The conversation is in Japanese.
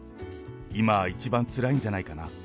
今は一番つらいんじゃないかな。